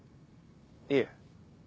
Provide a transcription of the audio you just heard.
いえ。